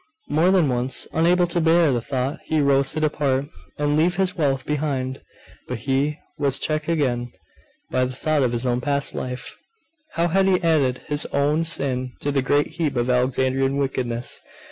More than once, unable to bear the thought, he rose to depart, and leave his wealth behind: but he was checked again by the thought of his own past life. How had he added his own sin to the great heap of Alexandrian wickedness!